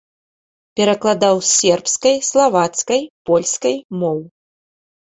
Перакладаў з сербскай, славацкай, польскай моў.